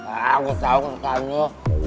agus tau kesukaan lo